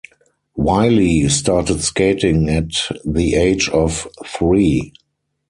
Wylie started skating at the age of three.